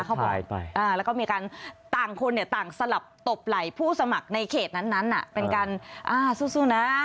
เราก็มีการต่างคนต่างสลับตบไหลผู้สมัครในเขตนั้นเป็นการสู้นะ